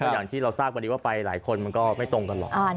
อย่างที่เราทราบวันนี้ว่าไปหลายคนมันก็ไม่ตรงกันหรอก